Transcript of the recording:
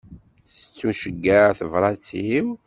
Tettuceyyeɛ tebrat-iw?